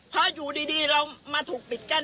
เพราะอยู่ดีเรามาถูกปิดกั้น